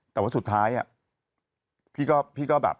แต่ว่าสุดท้ายพี่ก็แบบ